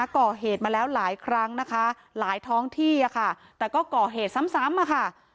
ก่อเหตุมาแล้วหลายครั้งนะคะหลายท้องที่อะค่ะแต่ก็ก่อเหตุซ้ำอะค่ะ